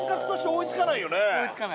追いつかない。